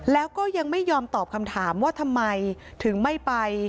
แล้วก็ยังไม่ยอมตอบคำถามว่าทำไมถึงไม่ไป